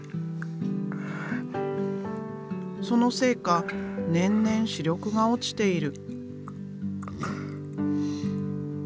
そのせいか年々視力が落ちている。